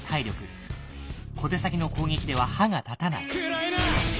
小手先の攻撃では歯が立たない。